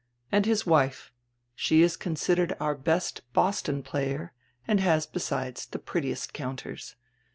And his wife! She is considered our best Boston player and has, besides, die prettiest counters.